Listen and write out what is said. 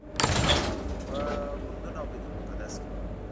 په اردن او بیت المقدس کې.